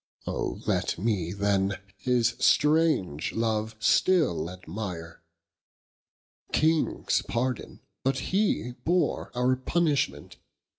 Oh let mee then, his strange love still admire: Kings pardon, but he bore our punishment.